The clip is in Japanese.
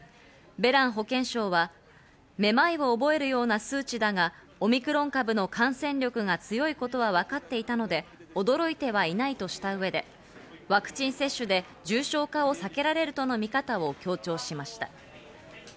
ベラン保健相は目まいを覚えるような数値だが、オミクロン株の感染力が強いことは分かっていたので驚いてはいないとした上でワクチン接種で重症化を避けられるとの見方を強調しました。